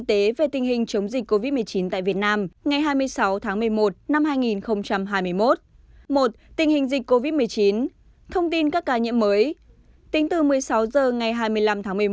tính từ một mươi sáu h ngày hai mươi năm tháng một mươi một đến một mươi sáu h ngày hai mươi sáu tháng một mươi một